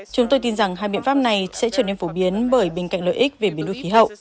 chúng tôi tin rằng hai biện pháp này sẽ trở nên phổ biến bởi bên cạnh lợi ích về biến đuôi khí hậu